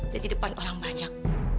dan di depan orang banyak